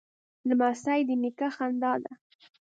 لمسی د نیکه خندا ده.